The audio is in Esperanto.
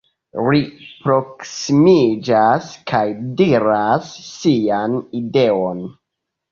Ri proksimiĝas, kaj diras sian ideon: